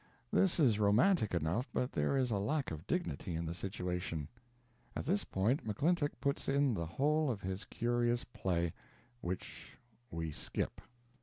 This is romantic enough, but there is a lack of dignity in the situation. At this point McClintock puts in the whole of his curious play which we skip.